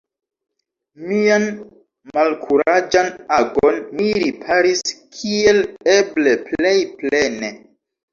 Mian malkuraĝan agon mi riparis kiel eble plej plene.